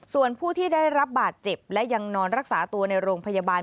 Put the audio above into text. ส่วนผู้ที่ได้รับบาดเจ็บและยังนอนรักษาตัวในโรงพยาบาล